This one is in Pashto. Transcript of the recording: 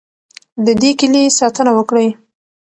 د دې کیلي ساتنه وکړئ.